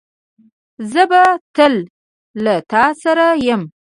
زه به تل له تاسره یم